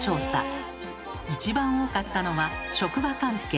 一番多かったのは「職場関係」。